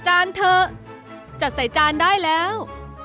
จัดจานได้แล้ว